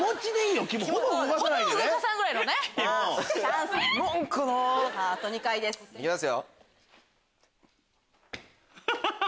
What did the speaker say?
行きますよ。